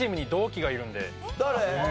誰？